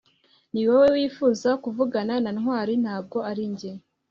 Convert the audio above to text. niwowe wifuzaga kuvugana na ntwali, ntabwo ari njye